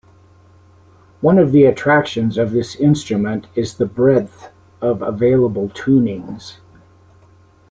One of the attractions of this instrument is the breadth of available tunings.